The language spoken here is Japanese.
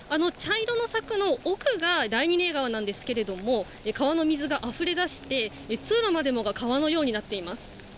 あの茶色の柵の奥が川なんですけれども、川の水があふれ出して、通路までもが川のようになっています。